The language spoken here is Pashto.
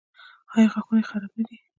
ایا غاښونه یې خراب نه دي؟